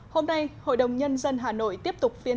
hôm nay hội đồng nhân dân hà nội tiếp tục phiên